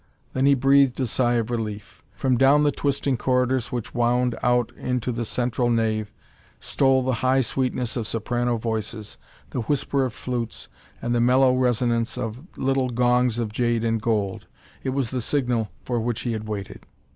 Then he breathed a sigh of relief. From down the twisting corridors which wound out to the central nave, stole the high sweetness of soprano voices, the whisper of flutes, and the mellow resonance of little gongs of jade and gold. It was the signal for which he had waited.